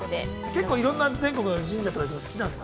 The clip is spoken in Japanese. ◆結構、いろんな全国の神社とか、好きなんだ。